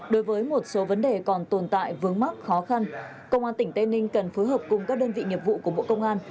đối với một số vấn đề còn tồn tại vướng mắc khó khăn công an tỉnh tây ninh cần phối hợp cùng các đơn vị nghiệp vụ của bộ công an